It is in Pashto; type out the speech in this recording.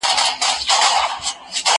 هغه څوک چي جواب ورکوي پوهه زياتوي!.